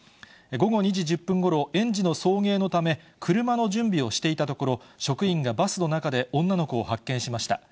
午後２時１０分ごろ、園児の送迎のため、車の準備をしていたところ、職員がバスの中で女の子を発見しました。